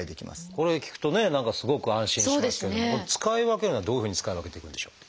これを聞くとね何かすごく安心しますけれども使い分けるのはどういうふうに使い分けていくんでしょう？